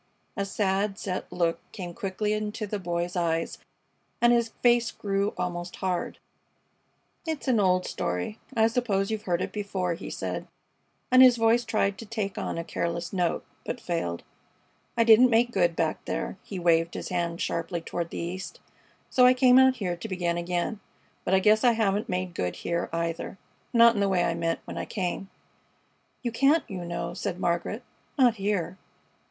A sad, set look came quickly into the Boy's eyes and his face grew almost hard. "It's an old story. I suppose you've heard it before," he said, and his voice tried to take on a careless note, but failed. "I didn't make good back there" he waved his hand sharply toward the East "so I came out here to begin again. But I guess I haven't made good here, either not in the way I meant when I came." "You can't, you know," said Margaret. "Not here."